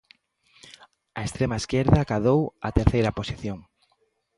A extrema esquerda acadou a terceira posición.